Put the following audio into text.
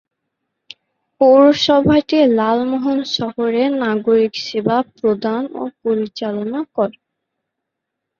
পৌরসভাটি লালমোহন শহরের নাগরিক সেবা প্রদান ও পরিচালনা করে।